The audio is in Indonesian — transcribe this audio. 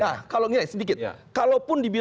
nah kalau ngilai sedikit